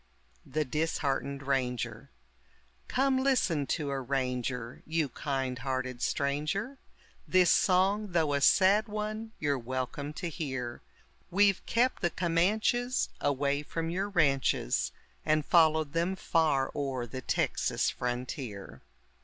THE DISHEARTENED RANGER Come listen to a ranger, you kind hearted stranger, This song, though a sad one, you're welcome to hear; We've kept the Comanches away from your ranches, And followed them far o'er the Texas frontier.